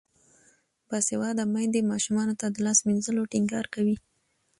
باسواده میندې ماشومانو ته د لاس مینځلو ټینګار کوي.